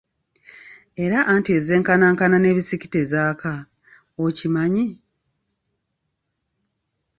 Era anti ezenkanankana n'ebisiki tezaaka, okimanyi?